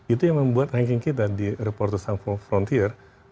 itu yang membuat ranking kita di report the sun frontier